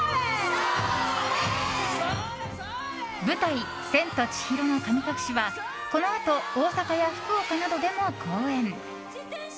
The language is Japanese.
舞台「千と千尋の神隠し」はこのあと大阪や福岡などでも公演。